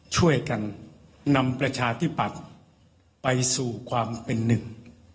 ช่วยกันนำประชาธิปัตย์ไปสู่ความเป็นหนึ่ง